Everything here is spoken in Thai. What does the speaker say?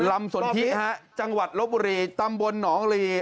ลำสนทิถนะครับจังหวัดโลโบรีตำบลหนองลี